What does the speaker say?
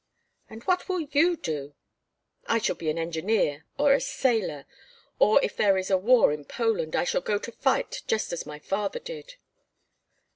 "And what will you do?" "I shall be an engineer or a sailor or, if there is a war in Poland, I shall go to fight, just as my father did."